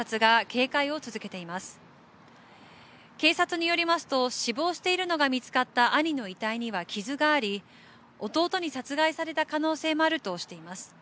警察によりますと死亡しているのが見つかった兄の遺体には傷があり弟に殺害された可能性もあるとしています。